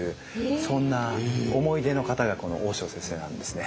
そんな思い出の方がこの大塩先生なんですね。